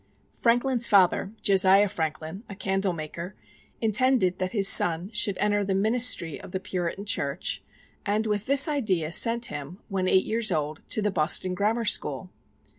Franklin's father, Josiah Franklin, a candle maker, intended that his son should enter the ministry of the Puritan Church, and with this idea sent him, when eight years old, to the Boston Grammar School.